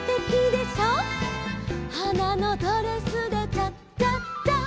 「はなのドレスでチャチャチャ」